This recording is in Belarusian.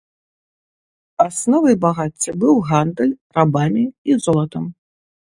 Асновай багацця быў гандаль рабамі і золатам.